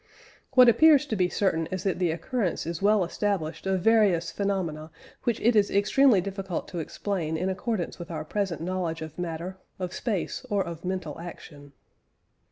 What appears to be certain is that the occurrence is well established of various phenomena which it is extremely difficult to explain in accordance with our present knowledge of matter, of space, or of mental action.